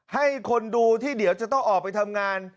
ให้คนดูที่เดี๋ยวจะต้องออกไปทำงาน